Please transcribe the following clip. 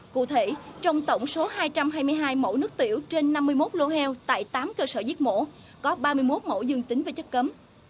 cụ thể trong tổng số hai trăm hai mươi hai mẫu nước tiểu trên năm mươi một lô heo tại tám cơ sở giết mổ có ba mươi một mẫu dương tính với chất cấm